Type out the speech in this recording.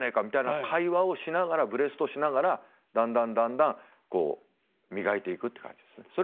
みたいな会話をしながらブレストしながらだんだんだんだんこう磨いていくっていう感じですね。